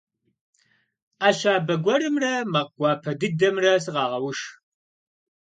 Ӏэ щабэ гуэрымрэ макъ гуапэ дыдэмрэ сыкъагъэуш.